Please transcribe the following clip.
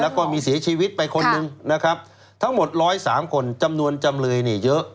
แล้วก็มีเสียชีวิตไปคนหนึ่งนะครับทั้งหมด๑๐๓คนจำนวนจำเลยเนี่ยเยอะ